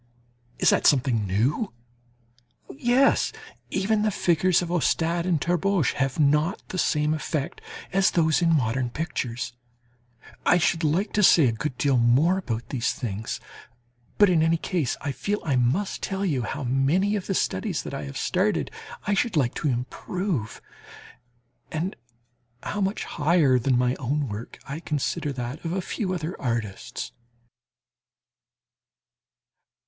Is that something new? Yes, even the figures of Ostade and Terborch have not the same effect as those in modern pictures. I should like to say a good deal more about these things, but in any case I feel I must tell you how many of the studies that I have started I should like to improve, and how much higher than my own work I consider that of a few other artists.